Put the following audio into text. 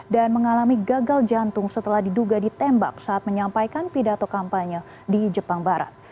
dan mengalami gagal jantung setelah diduga ditembak saat menyampaikan pidato kampanye di jepang barat